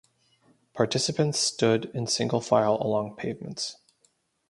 Participants stood in single file along pavements.